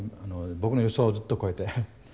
僕の予想をずっと超えています。